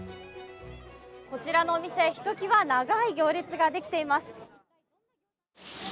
こちらのお店、ひときわ長い行列ができています。